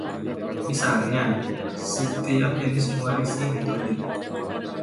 Misalnya, setiap jenis mewarisi metode.